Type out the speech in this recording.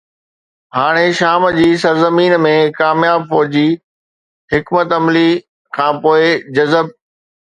هاڻي شام جي سرزمين ۾ ڪامياب فوجي حڪمت عملي کانپوءِ حزب